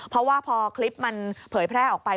เพราะว่าพอคลิปมันเผยแพร่ออกไป